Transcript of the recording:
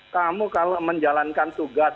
kamu kalau menjalankan tugas